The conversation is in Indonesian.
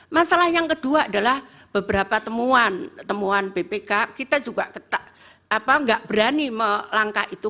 masalah yang kedua adalah beberapa temuan temuan bpk kita juga nggak berani melangkah itu